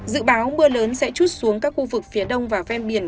dự báo mưa lớn sẽ chút xuống các khu vực phía đông và ven biển